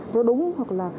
nó đúng hoặc là